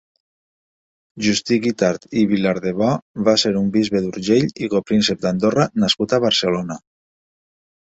Justí Guitart i Vilardebó va ser un bisbe d'Urgell i Copríncep d'Andorra nascut a Barcelona.